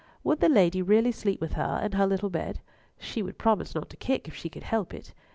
Would the lady really sleep with her in her little bed? She would promise not to kick if she could help it.